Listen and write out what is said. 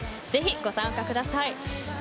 ぜひご参加ください。